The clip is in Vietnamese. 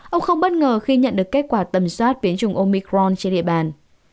ông không bất ngờ khi nhận được kết quả tầm soát biến chủng omicron trên địa bàn